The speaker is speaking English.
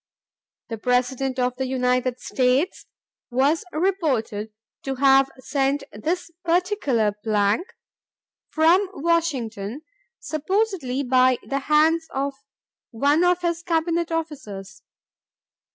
. "The President of the United States ... was reported to have sent this particular plank .. .from Washington, supposedly by the hands of one of his Cabinet officers."